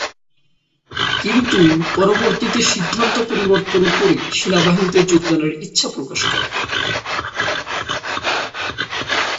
কিন্তু পরবর্তীতে সিদ্ধান্ত পরিবর্তন করে সেনাবাহিনীতে যোগদানের ইচ্ছা প্রকাশ করেন।